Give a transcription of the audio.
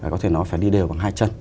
có thể nói phải đi đều bằng hai chân